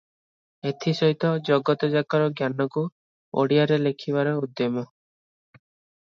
ଏଥି ସହିତ ଜଗତଯାକର ଜ୍ଞାନକୁ ଓଡ଼ିଆରେ ଲେଖିବାର ଉଦ୍ୟମ ।